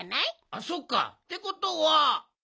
あそっか。ってことは。